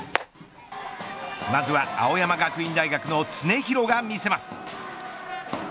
まずは青山学院大学の常廣がみせます。